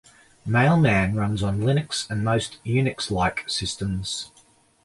Mailman runs on Linux and most Unix-like systems.